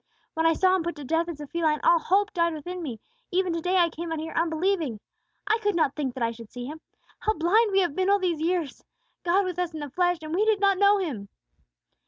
"When I saw Him put to death as a felon, all hope died within me; even to day I came out here unbelieving. I could not think that I should see Him. How blind we have been all these years! God with us in the flesh, and we did not know Him!"